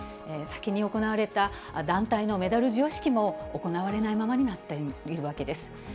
先に行われた団体のメダル授与式も行われないままになっているわけです。